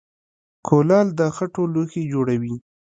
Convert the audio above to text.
کولال د خټو لوښي جوړوي